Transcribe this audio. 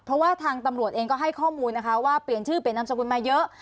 เพราะว่าทางตำรวจเองก็ให้ข้อมูลนะคะว่าเปลี่ยนชื่อเปลี่ยนนามสกุลมาเยอะ